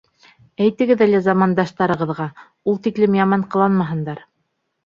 Әйтегеҙ әле замандаштарығыҙға, ул тиклем яман ҡыланмаһындар.